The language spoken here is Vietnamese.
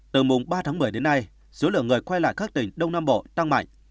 từ mùng ba tháng một mươi đến nay số lượng người quay lại các tỉnh đông nam bộ tăng mạnh